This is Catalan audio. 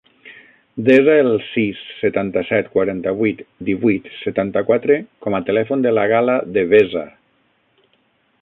Desa el sis, setanta-set, quaranta-vuit, divuit, setanta-quatre com a telèfon de la Gala Devesa.